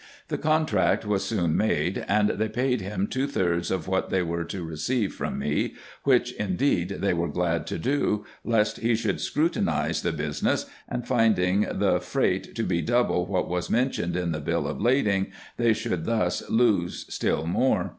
The contract was soon made, and they paid him two thirds of what they were to receive from me, which, indeed, they were glad to do, lest he should scrutinise the business, and, finding the freight to be double what was mentioned in the bill of lading, they should thus lose still more.